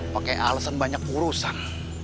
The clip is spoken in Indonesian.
pakai alasan banyak urusan